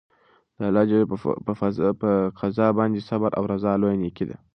د الله په قضا باندې صبر او رضا لویه نېکي ده.